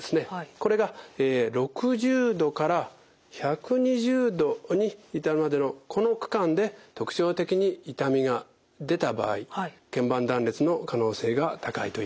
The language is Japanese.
これが６０度から１２０度に至るまでのこの区間で特徴的に痛みが出た場合けん板断裂の可能性が高いということになります。